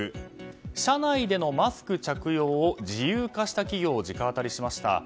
社内でのマスク着用を自由化した企業を直アタリしました。